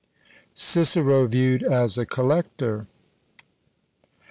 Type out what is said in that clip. CICERO VIEWED AS A COLLECTOR.